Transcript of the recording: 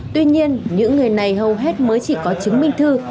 tuy nhiên những người này hầu hết mới chỉ có chứng minh thư